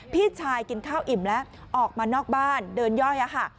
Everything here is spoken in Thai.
พี่ชายกินข้าวอิ่มแล้วออกมานอกบ้านเดินย่อย